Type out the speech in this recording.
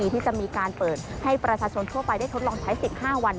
ที่จะมีการเปิดให้ประชาชนทั่วไปได้ทดลองใช้๑๕วัน